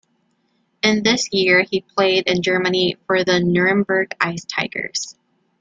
In this year he played in Germany for the Nuremberg Ice Tigers.